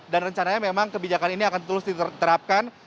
dan rencananya memang kebijakan ini akan terus diterapkan